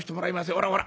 ほらほら。